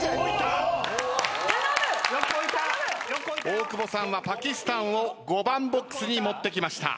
大久保さんはパキスタンを５番ボックスに持ってきました。